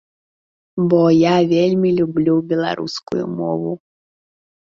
Бо я вельмі люблю беларускую мову.